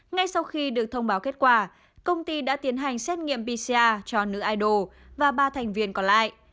ngay sau khi được thông báo kết quả công ty đã tiến hành xét nghiệm pcr cho nữ idol và ba thành viên còn lại